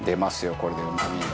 これで、うまみが。